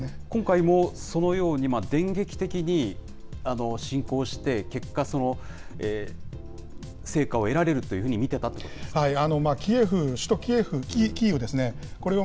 今回もそのように電撃的に侵攻して、結果、成果を得られるというふうに見てたってことですか。